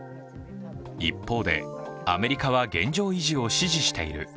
一方で、アメリカは現状維持を支持している。